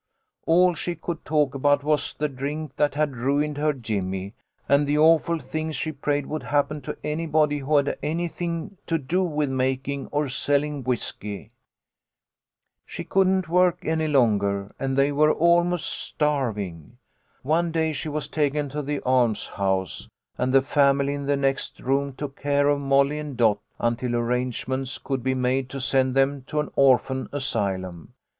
All she could talk about was the drink that had ruined her Jimmy, and the awful things she prayed would happen to anybody who had anything to do with making or selling whiskey. " She couldn't work any longer, and they were almost starving. One day she was taken to the almshouse, and the family in the next room took care of Molly and Dot until arrangements could be made to send them to an orphan asylum.